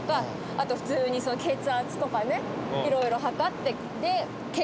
あと普通に血圧とかねいろいろ測って。